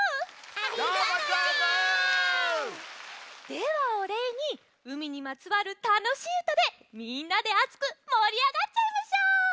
ではおれいにうみにまつわるたのしいうたでみんなであつくもりあがっちゃいましょう！